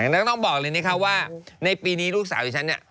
แล้วต้องบอกเลยนะคะว่าในปีนี้ลูกสาวที่ฉันเนี่ย